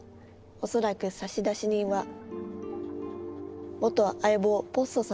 恐らく差出人は元相棒ポッソさん。